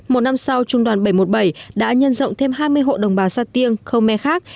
một năm sau trung đoàn bảy trăm một mươi bảy đã nhân rộng thêm hai mươi hộ đồng bà sa tiêng khơ me khác